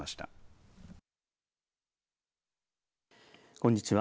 こんにちは。